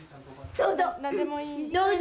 どうぞ！